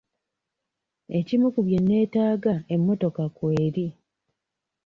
Ekimu ku bye nneetaaga emmotoka kw'eri.